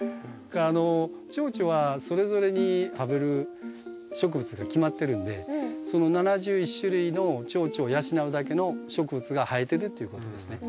あのチョウチョはそれぞれに食べる植物が決まってるんでその７１種類のチョウチョを養うだけの植物が生えてるっていうことですね。